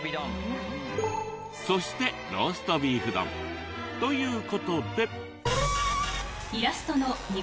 そしてローストビーフ丼ということで。